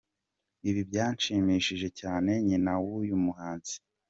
Ibi byashimishije cyane nyina w’uyu muhanzi.